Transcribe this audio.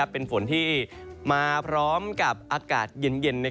เป็นฝนที่มาพร้อมกับอากาศเย็น